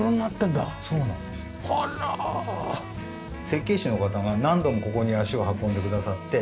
設計士の方が何度もここに足を運んでくださって。